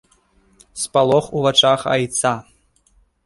Спалох у вачах айца.